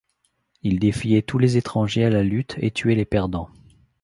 Il défiait tous les étrangers à la lutte et tuait les perdants.